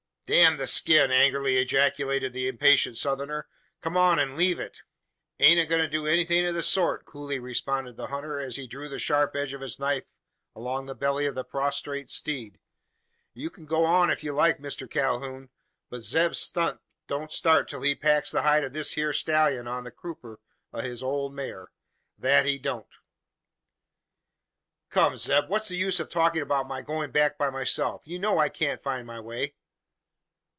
"Damn the skin!" angrily ejaculated the impatient Southerner. "Come on, an leave it!" "Ain't a goin' to do anythin' o' the sort," coolly responded the hunter, as he drew the sharp edge of his blade along the belly of the prostrate steed. "You kin go on if ye like, Mister Calhoun; but Zeb Stump don't start till he packs the hide of this hyur stellyun on the krupper o' his old maar. Thet he don't." "Come, Zeb; what's the use of talking about my going back by myself? You know I can't find my way?"